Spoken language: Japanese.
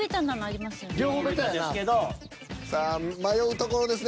さあ迷うところですね。